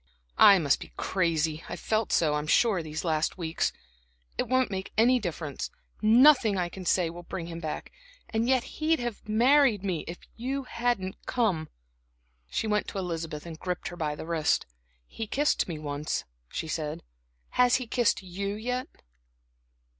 "I must be crazy; I've felt so, I'm sure, these last weeks. It won't make any difference nothing I say can bring him back. And yet he'd have married me if you hadn't come." She went to Elizabeth and gripped her by the wrist. "He kissed me once," she said. "Has he kissed you yet?"